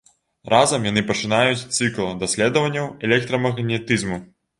Разам яны пачынаюць цыкл даследаванняў электрамагнетызму.